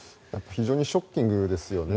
非常にショッキングですよね。